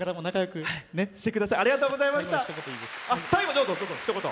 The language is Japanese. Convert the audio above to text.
最後、ひと言。